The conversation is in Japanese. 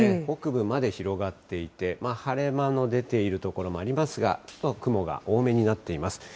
北部まで広がっていて、晴れ間の出ている所もありますが、雲が多めになっています。